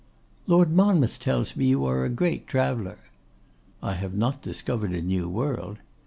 'Lord Monmouth tells me you are a great traveller?' 'I have not discovered a new world.